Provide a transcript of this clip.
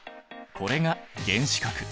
これが原子核。